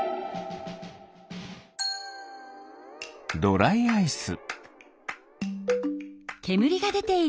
ドライアイス。